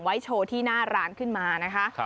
โชว์ที่หน้าร้านขึ้นมานะคะ